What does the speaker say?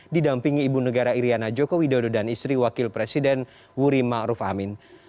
didampingi ibu negara iryana joko widodo dan istri wakil presiden wuri ma'ruf amin